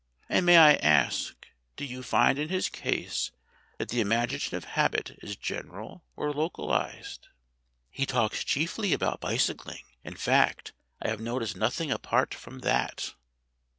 And may I ask, do you find in his case that the imaginative habit is general or localized ?" "He talks chiefly about bicycling; in fact, I have noticed nothing apart from that."